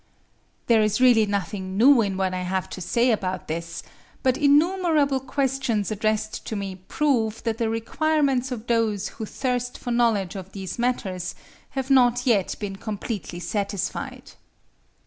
There is really nothing new in what I have to say about this; but innumerable questions addressed to me prove that the requirements of those who thirst for knowledge of these matters have not yet been completely satisfied.